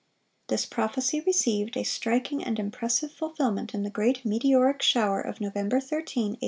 (554) This prophecy received a striking and impressive fulfilment in the great meteoric shower of November 13, 1833.